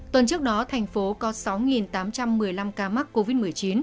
tuần trước đó tp hcm có sáu tám trăm một mươi năm ca mắc covid một mươi chín